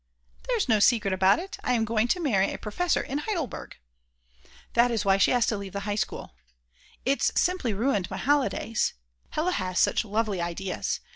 "There's no secret about it, I am going to marry a professor in Heidelberg." That is why she has to leave the High School. It's simply ruined my holidays. Hella has such lovely ideas.